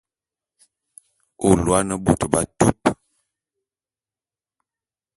Ô lôô ane bôt b'atupe.